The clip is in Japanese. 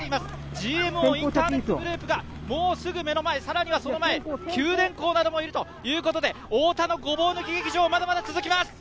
ＧＭＯインターネットグループがもうすぐ目の前、更にはその前、九電工などもいるということで太田のごぼう抜き劇場まだまだ続きます。